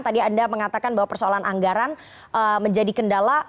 tadi anda mengatakan bahwa persoalan anggaran menjadi kendala